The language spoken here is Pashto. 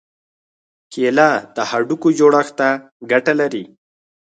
کېله د هډوکو غوړښت ته ګټه لري.